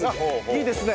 いいですね。